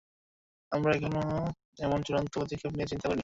আমরা এখনও এমন চুড়ান্ত পদক্ষেপ নিয়ে চিন্তা করিনি।